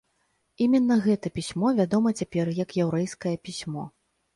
Іменна гэта пісьмо вядома цяпер як яўрэйскае пісьмо.